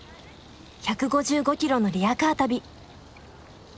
１５５ｋｍのリヤカー旅。